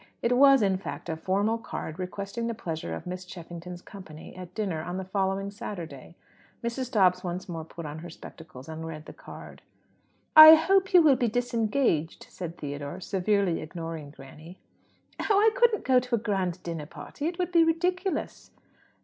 It was, in fact, a formal card requesting the pleasure of Miss Cheffington's company at dinner on the following Saturday. Mrs. Dobbs once more put on her spectacles and read the card. "I hope you will be disengaged," said Theodore, severely ignoring "granny." "Oh, I couldn't go to a grand dinner party. It would be ridiculous!"